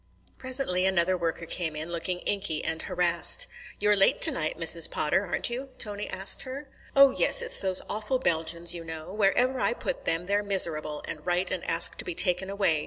Presently another worker came in, looking inky and harassed. "You're late tonight, Mrs. Potter, aren't you?" Tony asked her. "Oh yes. It's those awful Belgians, you know. Wherever I put them, they're miserable, and write and ask to be taken away.